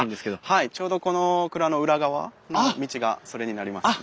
はいちょうどこの蔵の裏側の道がそれになりますね。